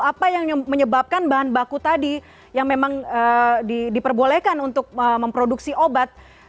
apa yang menyebabkan bahan baku tadi yang memang diperbolehkan untuk memproduksi obat